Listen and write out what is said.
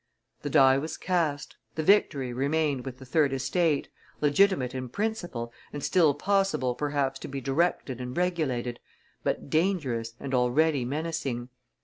The die was cast, the victory remained with the third (estate), legitimate in principle, and still possible perhaps to be directed and regulated, but dangerous and already menacing.